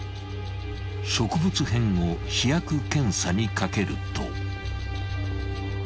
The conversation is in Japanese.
［植物片を試薬検査にかけると］